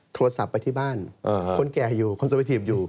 โทรศัพท์ไปที่บ้านคนแก่อยู่คนจะไปถีบอยู่